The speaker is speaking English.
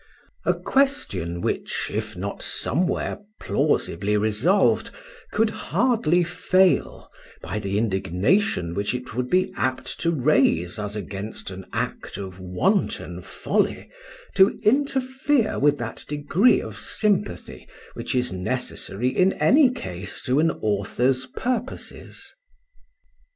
—a question which, if not somewhere plausibly resolved, could hardly fail, by the indignation which it would be apt to raise as against an act of wanton folly, to interfere with that degree of sympathy which is necessary in any case to an author's purposes.